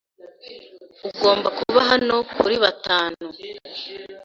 Ugomba kuba hano kuri batanu.